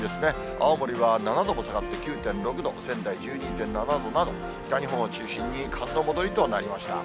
青森は７度も下がって９．６度、仙台１２．７度など、北日本を中心に寒の戻りとなりました。